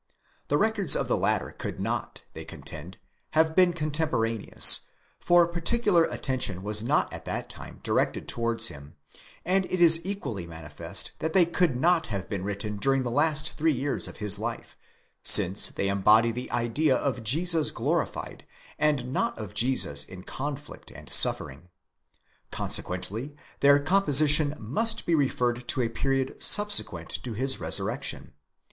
The records of the latter could not, they contend, have been contemporaneous ; for particular at tention was not at that time directed towards him ; and it is equally manifest that they could not have been written during the last three years of his life, since they embody the idea of Jesus glorified, and not of Jesus in conflict and suffering. Consequently their composition must be referred to a period subsequent to his resurrection.